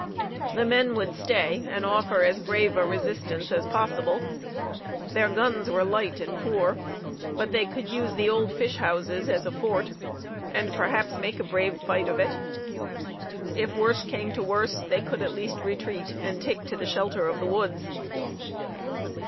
The men would stay and offer as brave a resistance as possible. Their guns were light and poor, but they could use the old fish houses as a fort, and perhaps make a brave fight of it. If worse came to worse, they could at least retreat and take to the shelter of the woods.